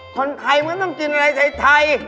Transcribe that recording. คนไทยมันต้องกินอะไรไทย